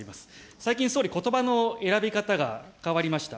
最近総理、ことばの選び方が変わりました。